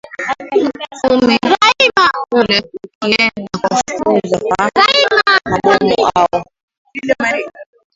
kumi kule ukienda kuwafukuza kwa mabomu au